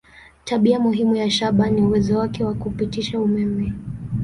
Tabia muhimu ya shaba ni uwezo wake wa kupitisha umeme.